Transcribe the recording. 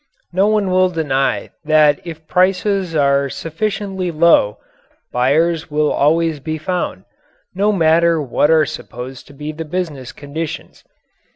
No one will deny that if prices are sufficiently low, buyers will always be found, no matter what are supposed to be the business conditions.